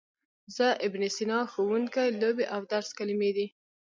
زه، ابن سینا، ښوونکی، لوبې او درس کلمې دي.